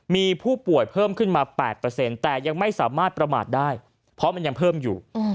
มีผู้ป่วยเพิ่มขึ้นมา๘แต่ยังไม่สามารถประมาทได้เพราะมันยังเพิ่มอยู่